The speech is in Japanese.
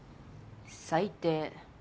最低。